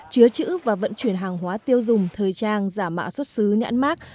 chứa chữ và vận chuyển hàng hóa tiêu dùng thời trang giả mạo xuất xứ nhãn mát